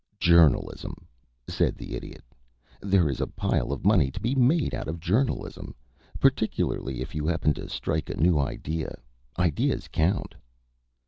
"Journalism," said the Idiot. "There is a pile of money to be made out of journalism, particularly if you happen to strike a new idea. Ideas count."